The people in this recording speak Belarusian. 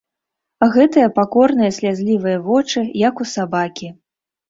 Гэтыя пакорныя слязлівыя вочы, як у сабакі.